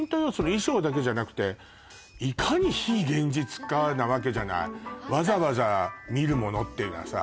衣装だけじゃなくていかに非現実かなわけじゃないわざわざ見るものっていうのはさ